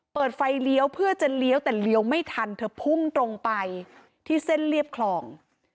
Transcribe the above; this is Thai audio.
เปิดไฟเลี้ยวเพื่อจะเลี้ยวแต่เลี้ยวไม่ทันเธอพุ่งตรงไปที่เส้นเรียบคลอง